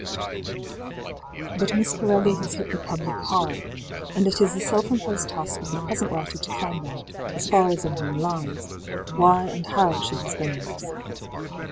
But Miss Corelli has hit the public hard, and it is the self imposed task of the present writer to find out, as far as in him lies, why and how she has done this.